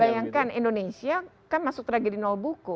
bayangkan indonesia kan masuk tragedi nol buku